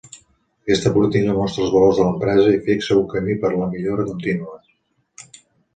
Aquesta política mostra els valors de l'empresa i fixa un camí per la millora contínua.